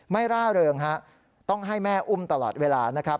ร่าเริงฮะต้องให้แม่อุ้มตลอดเวลานะครับ